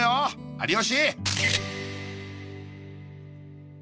有吉！